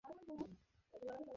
বেশ, কাজ থাকলে তোমায় আটকাব না।